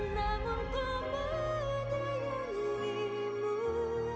namun ku menyayangimu